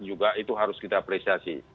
juga itu harus kita apresiasi